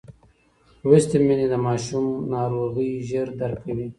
لوستې میندې د ماشوم ناروغۍ ژر درک کوي.